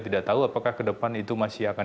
tidak tahu apakah ke depan itu masih akan